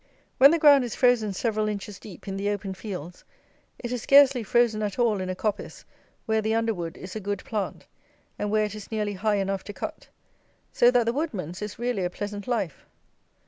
When the ground is frozen several inches deep in the open fields, it is scarcely frozen at all in a coppice where the underwood is a good plant, and where it is nearly high enough to cut. So that the woodman's is really a pleasant life.